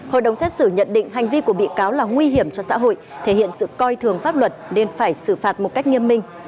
hội đồng xét xử nhận định hành vi của bị cáo là nguy hiểm cho xã hội thể hiện sự coi thường pháp luật nên phải xử phạt một cách nghiêm minh